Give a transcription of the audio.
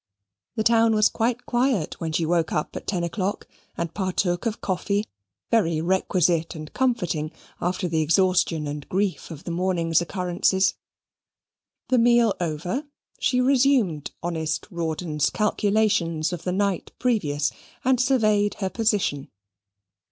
The town was quite quiet when she woke up at ten o'clock, and partook of coffee, very requisite and comforting after the exhaustion and grief of the morning's occurrences. This meal over, she resumed honest Rawdon's calculations of the night previous, and surveyed her position.